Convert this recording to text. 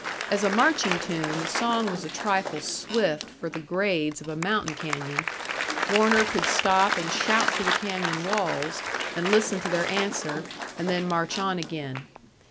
As a marching tune, the song was a trifle swift for the grades of a mountain canyon; Warner could stop and shout to the canyon walls, and listen to their answer, and then march on again.